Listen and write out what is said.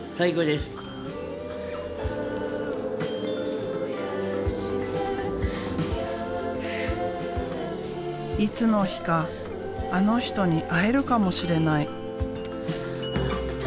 いつの日かあの人に会えるかもしれない。